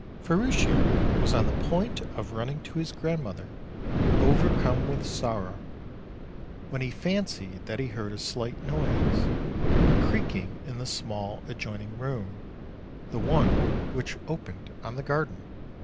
Ferruccio was on the point of running to his grand mother, overcome with sorrow, when he fancied that he heard a slight noise, a creaking in the small adjoin ing room, the one which opened on the garden.